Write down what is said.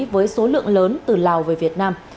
với số lượng lớn từ lào về việt nam